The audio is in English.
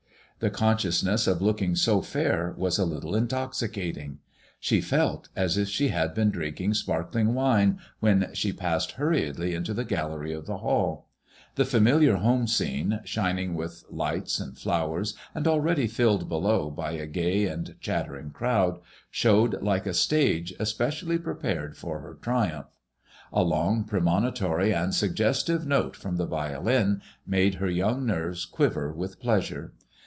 The consciousness of looking so fair was a little intoxicating. She felt as if she MADKIIOXSXLLB IXk. .143 had been drinking sparkling wine when she passed hurriedly into the gallery of the halL The familiar home scene, shining with lights and flowers, and already filled below by a gay and chattering crowd, showed like a stage especially prepared for her triumph. A long pre monitory and suggestive note from the violin made her young nerves quiver with pleasure.